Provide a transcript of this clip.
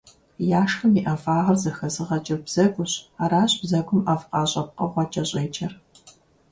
Яшхым и ӀэфӀагъыр зэхэзыгъэкӀыр бзэгурщ, аращ бзэгум ӀэфӀкъащӀэ пкъыгъуэкӀэ щӀеджэр.